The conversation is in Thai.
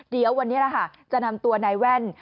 เดี๋ยววันนี้จะนำตัวนายแว่น